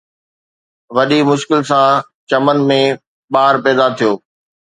وڏي مشڪل سان چمن ۾ ٻار پيدا ٿيو.